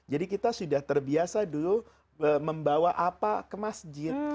jadi kita sudah terbiasa dulu membawa apa ke masjid